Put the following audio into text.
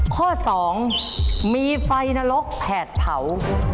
ข้อ๒มีไฟนรกแผดเผา